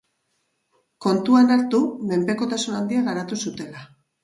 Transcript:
Kontuan hartu menpekotasun handia garatu zutela.